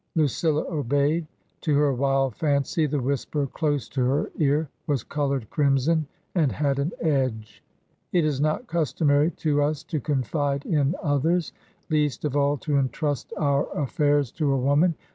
Lucilla obeyed. To her wild fancy the whisper close to her ear was coloured crimson and had an edge. " It is not customary to us to confide in others — ^least of all to entrust our affairs to a woman.